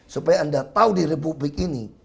supaya anda tahu di republik ini